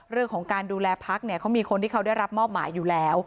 เรื่องของการดูแลพักเนี่ยเขามีคนที่เขาได้รับมอบหมายอยู่แล้ว